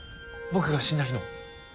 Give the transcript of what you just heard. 僕が死んだ日の。